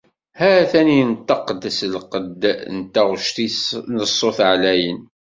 Ha-t-an inṭeq-d s lqedd n taɣect-is, s ṣṣut ɛlayen.